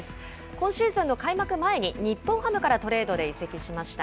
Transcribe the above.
今シーズンの開幕前に日本ハムからトレードで移籍しました。